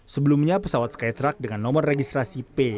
sebelumnya pesawat skytruck dengan nomor registrasi p empat ribu dua ratus satu